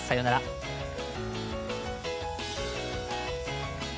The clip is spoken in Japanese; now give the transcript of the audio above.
さようなら。